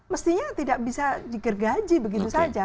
mestinya tidak bisa digergaji begitu saja